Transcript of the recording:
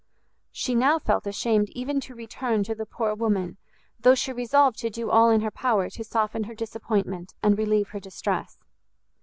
She now felt ashamed even to return to the poor woman, though she resolved to do all in her power to soften her disappointment and relieve her distress.